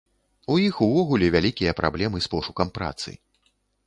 У іх увогуле вялікія праблемы з пошукам працы.